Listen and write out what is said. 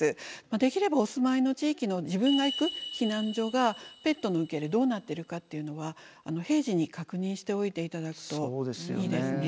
できればお住まいの地域の自分が行く避難所がペットの受け入れどうなってるかというのは平時に確認しておいて頂くといいですね。